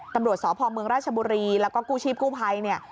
ตำรวจสพเมืองราชบุรีแล้วก็กู้ชีพกู้ภัยเนี่ย